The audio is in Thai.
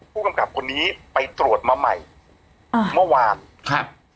ผู้กำกับคนนี้ไปตรวจมาใหม่อ่าเมื่อวานครับ